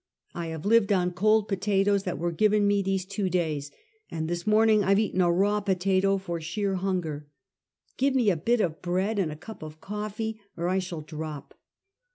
I have lived on cold potatoes that were given me these two days, and this morning I've eaten a raw potato for sheer hunger. Give me a bit of bread and a cup of coffee or I shall drop.